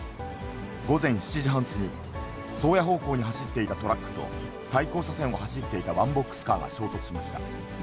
午前７時半過ぎ、宗谷方向に走っていたトラックと対向車線を走っていたワンボックスカーが衝突しました。